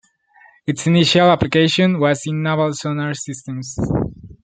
Its initial application was in naval sonar systems.